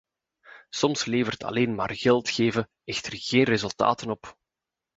Soms levert alleen maar geld geven echter geen resultaten op.